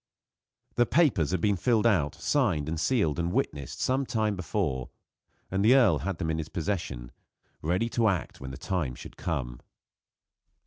The papers had been filled out, signed, sealed and witnessed some time before, and the earl had them in his possession, ready to act when the time should come.